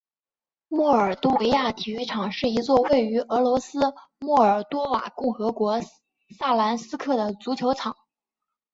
莫尔多维亚体育场是一座位于俄罗斯莫尔多瓦共和国萨兰斯克的足球场。